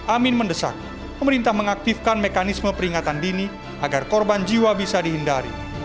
amin mendesak pemerintah mengaktifkan mekanisme peringatan dini agar korban jiwa bisa dihindari